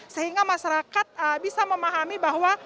sehingga masyarakat bisa memahami bahwa